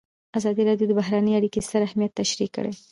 ازادي راډیو د بهرنۍ اړیکې ستر اهميت تشریح کړی.